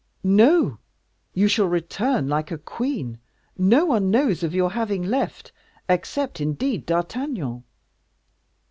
"No! you shall return like a queen. No one knows of your having left except, indeed, D'Artagnan."